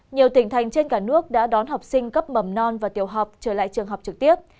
nhiều tỉnh thành trên cả nước đã đón học sinh cấp mầm non và tiểu học trở lại trường học trực tiếp